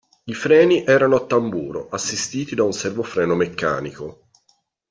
I freni erano a tamburo, assistiti da un servofreno meccanico.